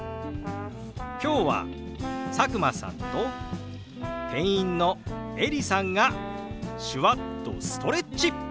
今日は佐久間さんと店員のエリさんが手話っとストレッチ！